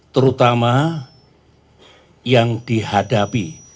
terutama yang dihadapi